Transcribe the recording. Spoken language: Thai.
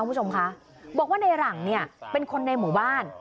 คุณผู้ชมคะบอกว่าในหลังเนี่ยเป็นคนในหมู่บ้าน